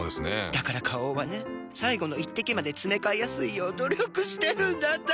だから花王はね最後の一滴までつめかえやすいよう努力してるんだって。